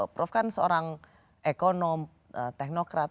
prof kan seorang ekonom teknokrat